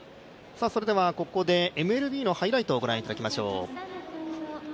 それではここでＭＬＢのハイライトをご覧いただきましょう。